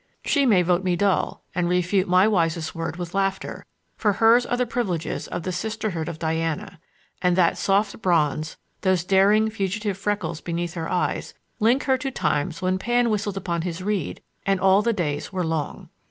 She may vote me dull and refute my wisest word with laughter, for hers are the privileges of the sisterhood of Diana; and that soft bronze, those daring fugitive freckles beneath her eyes, link her to times when Pan whistled upon his reed and all the days were long.